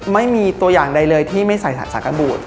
ไม่มีตัวอย่างใดเลยที่ไม่ใส่สากบูด